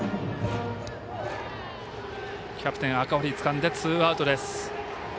キャプテン、赤堀がつかんでツーアウト。